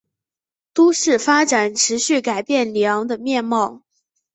都市发展持续改变里昂的面貌。